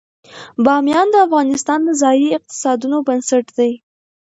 بامیان د افغانستان د ځایي اقتصادونو بنسټ دی.